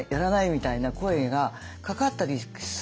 みたいな声がかかったりするケース